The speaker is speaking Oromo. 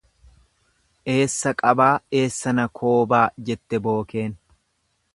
Eessa qabaa eessa na koobaa jette bookeen.